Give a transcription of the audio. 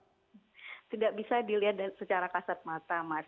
tidak bisa dilihat secara kasat mata mas